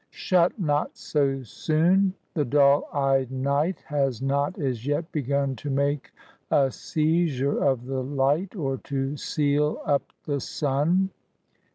" Shut not so soon I The dull eyed nlg^ Has not as yet begun To make a seizure of the Ught, Or to seal up the sun."